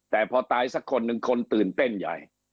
แต่พอตายสักคนหนึ่งคนตื่นเต้นใหญ่